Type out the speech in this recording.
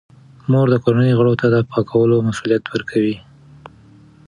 مور د کورنۍ غړو ته د پاکولو مسوولیت ورکوي.